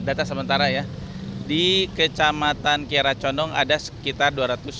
data sementara ya di kecamatan kiara condong ada sekitar dua ratus sembilan puluh